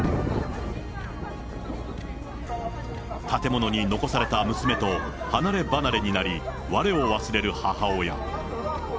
建物に残された娘と離れ離れになり、われを忘れる母親。